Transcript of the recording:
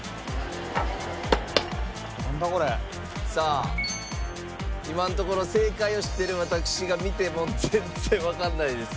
さあ今のところ正解を知っている私が見ても全然わかんないです。